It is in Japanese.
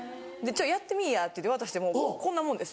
「やってみぃや」って言うて渡してもこんなもんです。